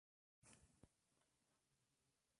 Éste es el único estudio en llegar a esta conclusión.